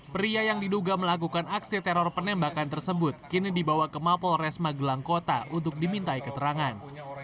pria yang diduga melakukan aksi teror penembakan tersebut kini dibawa ke mapol res magelang kota untuk dimintai keterangan